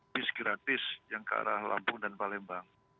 bis gratis yang ke arah lampung dan palembang